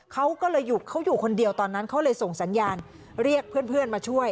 เขาก็เลยเขาอยู่คนเดียวตอนนั้นเขาเลยส่งสัญญาณเรียกเพื่อนมาช่วย